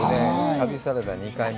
旅サラダ、２回目。